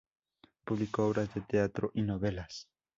Publicó obras de teatro y novelas.